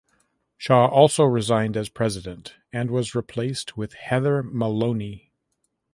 Shaw also resigned as president and was replaced with Heather Maloney.